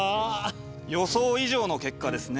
予想以上の結果ですね。